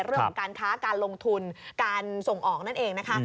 เรื่องของการค้าการลงทุนการส่งออกนั่นเองนะคะ